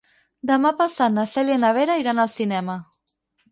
Demà passat na Cèlia i na Vera iran al cinema.